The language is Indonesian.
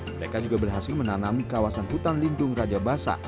mereka juga berhasil menanam kawasan hutan lindung rajabasa